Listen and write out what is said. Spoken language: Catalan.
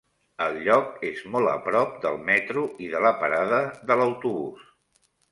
El lloc és molt a prop del metro i de la parada de l'autobús.